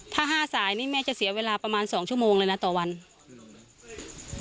ถ้าห้าสายนี่แม่จะเสียเวลาประมาณสองชั่วโมงเลยนะต่อวันอืม